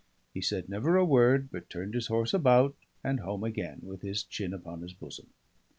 He said never a word, but turned his horse about, and home again, with his chin upon his bosom.